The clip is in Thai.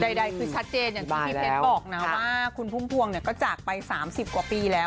ใดคือชัดเจนอย่างที่พี่เพชรบอกนะว่าคุณพุ่มพวงเนี่ยก็จากไป๓๐กว่าปีแล้ว